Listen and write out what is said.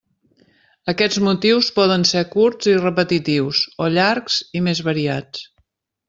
Aquests motius poden ser curts i repetitius, o llargs i més variats.